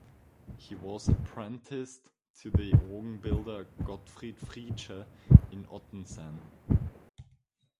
He was apprenticed to the organ builder Gottfried Fritzsche in Ottensen.